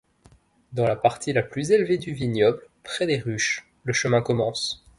Dans la partie la plus élevée du vignoble, près des ruches, le chemin commence.